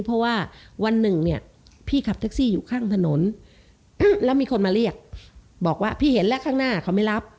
เพราะว่าวันหนึ่งเนี่ยพี่ขับแท็กซี่อยู่ข้างถนนแล้วมีคนมาเรียกบอกว่าพี่เห็นแล้วข้างหน้าเขาไม่รับ